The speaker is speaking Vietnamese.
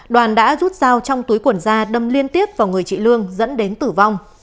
đoàn đã rút dao trong túi quần da đâm liên tiếp vào người chị lương dẫn đến tử vong